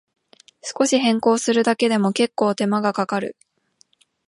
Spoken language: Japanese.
少し変更するだけでも、けっこう手間がかかる